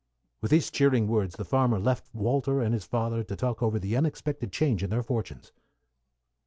With these cheering words the farmer left Walter and his father to talk over the unexpected change in their fortunes.